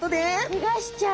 けがしちゃう。